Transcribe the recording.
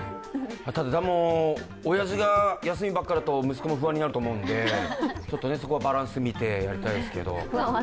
ただ、おやじが休みばっかりだと息子も不安になると思うんでそこはバランス見てやりたいですけど。